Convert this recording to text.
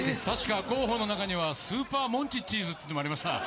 確か候補の中には、スーパーモンチッチーズなんていうのもありました。